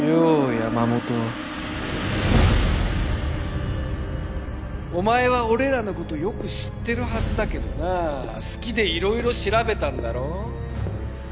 山本お前は俺らのことよく知ってるはずだけどな好きで色々調べたんだろ